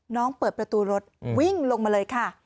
เปิดประตูรถวิ่งลงมาเลยค่ะ